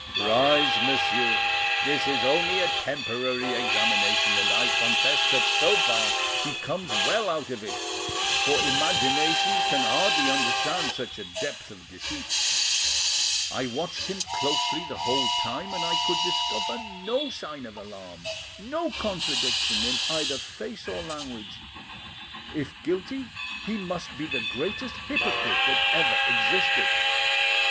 "Rise, monsieur. This is only a preliminary examination, and I confess that, so far, he comes well out of it, for imagination can hardly understand such a depth of deceit. I watched him closely the whole time, and I could discover no sign of alarm, no contradiction, in either face or language; if guilty, he must be the greatest hypocrite that ever existed.